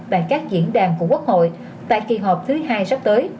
tại các diễn đàn của quốc hội tại kỳ họp thứ hai sắp tới